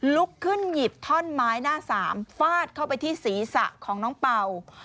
ลุกขึ้นหยิบท่อนไม้หน้าสามฟาดเข้าไปที่ศีรษะของน้องเป่า